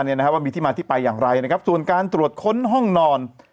เนี่ยนะฮะว่ามีที่มาที่ไปอย่างไรนะครับส่วนการตรวจค้นห้องนอน